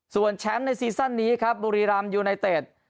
ส่วนแชมป์ในซีซั่นนี้ครับบุรีรำยูไนเต็ด